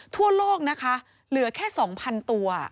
ทั่วโลกนะคะเหลือแค่๒๐๐๐ตัว